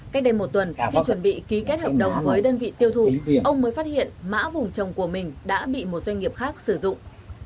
cách đây một tuần khi chuẩn bị ký kết hợp đồng với đơn vị tiêu thụ ông mới phát hiện mã vùng trồng của mình đã bị một doanh nghiệp khác sử dụng